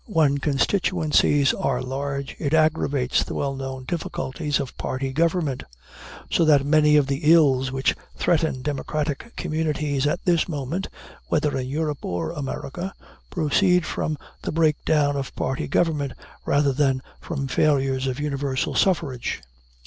When constituencies are large, it aggravates the well known difficulties of party government; so that many of the ills which threaten democratic communities at this moment, whether in Europe or America, proceed from the breakdown of party government rather than from failures of universal suffrage.